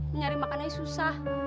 mencari makannya susah